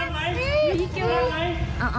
ฟันด้วยหรือเปล่า